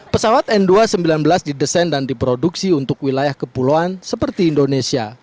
pesawat n dua ratus sembilan belas didesain dan diproduksi untuk wilayah kepulauan seperti indonesia